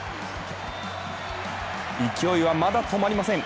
勢いはまだ止まりません。